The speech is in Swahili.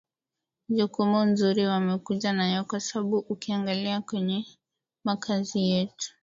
jukumu mzuri wamekuja nayo kwa sababu ukiangalia kwenye makazi yetu